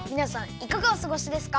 いかがおすごしですか？